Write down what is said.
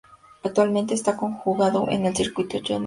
Actualmente está jugando en el circuito junior.